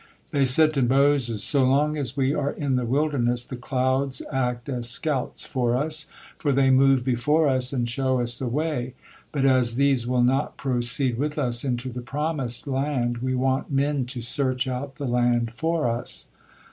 They said to Moses: "So long as we are in the wilderness, the clouds act as scouts for us, for they move before us and show us the way, but as these will not proceed with us into the promised land, we want men to search out the land for us."